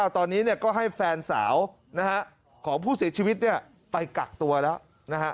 ตอนนี้ก็ให้แฟนสาวของผู้เสียชีวิตไปกักตัวแล้วนะฮะ